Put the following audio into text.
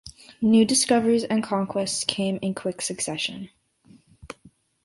New discoveries and conquests came in quick succession.